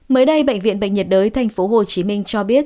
mới đây bệnh viện bệnh nhiệt đới tp hcm cho biết